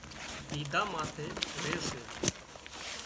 ڪيڌا ماٿي ري سي